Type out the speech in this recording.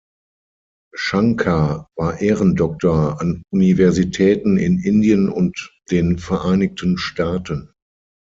Shankar war Ehrendoktor an Universitäten in Indien und den Vereinigten Staaten.